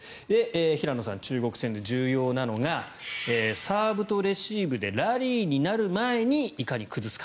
平野さん、中国戦で重要なのがサーブとレシーブでラリーになる前にいかに崩すか。